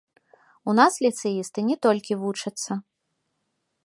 У нас ліцэісты не толькі вучацца.